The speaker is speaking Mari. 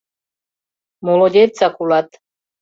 Молодецак улат!..